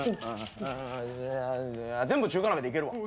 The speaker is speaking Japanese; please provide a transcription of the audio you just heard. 全部中華鍋でいけるわ。